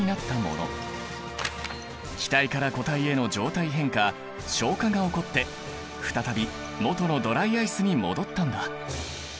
気体から固体への状態変化昇華が起こって再びもとのドライアイスに戻ったんだ。